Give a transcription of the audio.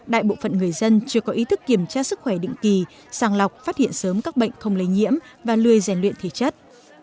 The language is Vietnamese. đại bộ phận người dân chưa có ý thức kiểm tra sức khỏe định kỳ sàng lọc phát hiện sớm các bệnh không lấy nhiễm và lươi rèn luyện thể chất